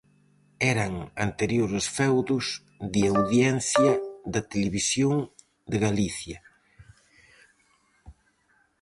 Eran anteriores feudos de audiencia da Televisión de Galicia.